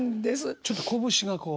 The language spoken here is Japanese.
ちょっとこぶしがこう。